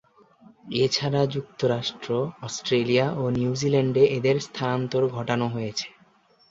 এছাড়া যুক্তরাষ্ট্র, অস্ট্রেলিয়া ও নিউজিল্যান্ডে এদের স্থানান্তর ঘটানো হয়েছে।